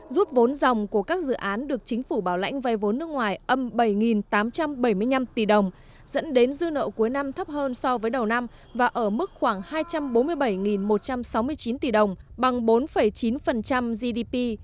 rút vốn dòng của các dự án được chính phủ bảo lãnh vay vốn nước ngoài âm bảy tám trăm bảy mươi năm tỷ đồng dẫn đến dư nợ cuối năm thấp hơn so với đầu năm và ở mức khoảng hai trăm bốn mươi bảy một trăm sáu mươi chín tỷ đồng bằng bốn chín gdp